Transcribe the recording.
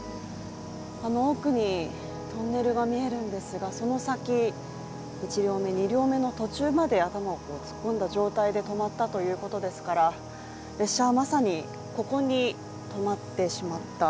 あの奥にトンネルが見えるんですがその先、１両目、２両目の途中まで頭を突っ込んだ途中で止まったということですから、列車はまさにここに止まってしまった。